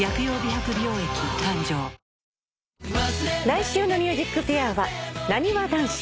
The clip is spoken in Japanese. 来週の『ＭＵＳＩＣＦＡＩＲ』はなにわ男子。